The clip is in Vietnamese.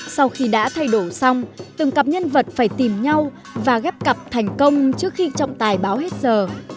sau khi đã thay đổi xong từng cặp nhân vật phải tìm nhau và ghép cặp thành công trước khi trọng tài báo hết giờ